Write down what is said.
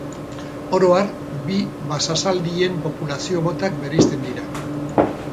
Oro har bi basazaldien populazio motak bereizten dira.